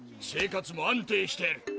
生活も安定している。